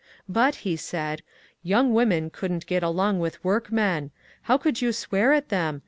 ^^ But," he said, *^ young women could n't get along with work men. How could you swear at them